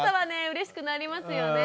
うれしくなりますよね。